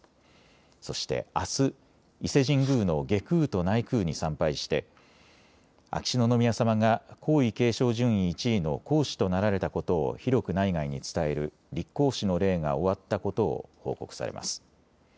そしてあす、伊勢神宮の外宮と内宮に参拝して秋篠宮さまが皇位継承順位１位の皇嗣となられたことを広く内外に伝える立皇嗣の礼が終わったことを報告されます。